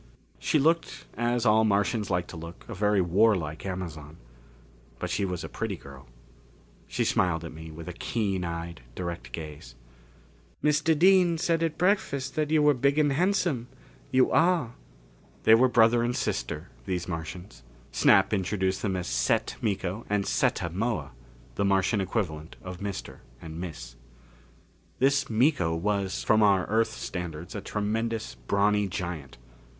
She looked, as all Martians like to look, a very warlike Amazon. But she was a pretty girl. She smiled at me with a keen eyed, direct gaze. "Mr. Dean said at breakfast that you were big and handsome. You are." They were brother and sister, these Martians. Snap introduced them as Set Miko and Setta Moa the Martian equivalent of Mr. and Miss. This Miko was, from our Earth standards, a tremendous, brawny giant.